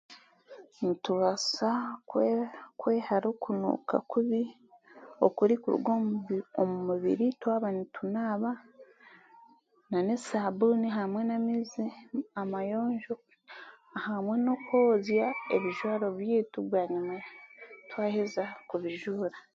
Nitubaasa kwe kwehara okunuuka kubi okurikuruga omu omu mubiri gw'abantu twaba nitunaaba nan'esaabuni hamwe n'amaizi amayonjo hamwe n'okwozya ebijwaro byaitu bwanyima twaheza kubijuura